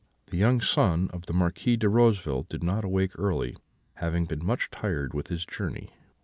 "The young son of the Marquis de Roseville did not awake early, having been much tired with his journey.